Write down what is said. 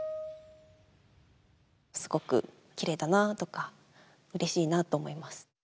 すごくきれいだなぁとかうれしいなと思います。